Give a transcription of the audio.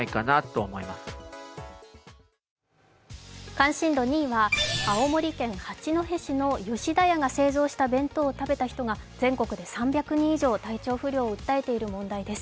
関心度２位は青森県八戸市の吉田屋が製造した弁当を食べた人、全国で３００人以上、体調不良を訴えている問題です。